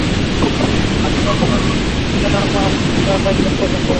আসল জনকে খুঁজে না পাওয়া পর্যন্ত এটাই করতে থাকো।